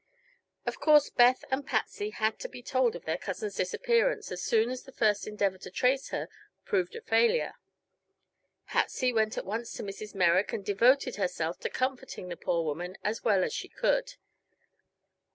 Of course Beth and Patsy had to be told of their cousin's disappearance as soon as the first endeavor to trace her proved a failure. Patsy went at once to Mrs. Merrick and devoted herself to comforting the poor woman as well as she could.